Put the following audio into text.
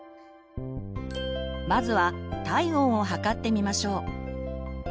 まずは体温を測ってみましょう。